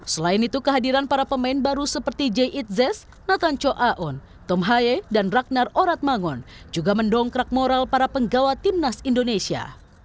selain itu kehadiran para pemain baru seperti j itzes nathan cho aon tom haye dan ragnar oratmangon juga mendongkrak moral para penggawa tim nas indonesia